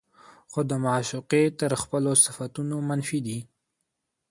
خو د معشوقې تر خپلو صفتونو منفي دي